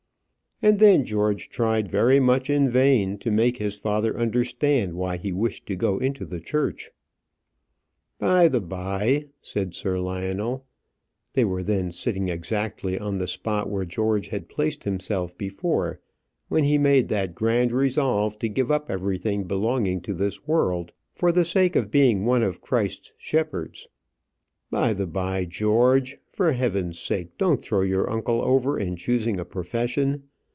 And then George tried very much in vain to make his father understand why he wished to go into the church. "By the by," said Sir Lionel they were then sitting exactly on the spot where George had placed himself before, when he made that grand resolve to give up everything belonging to this world for the sake of being one of Christ's shepherds "by the by, George, for heaven's sake don't throw your uncle over in choosing a profession.